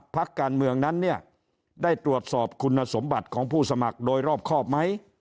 พักการเมืองนั้นเนี่ยได้ตรวจสอบคุณสมบัติของผู้สมัครโดยรอบครอบไหม